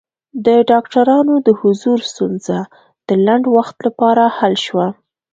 د ډاکټرانو د حضور ستونزه د لنډ وخت لپاره حل شوه.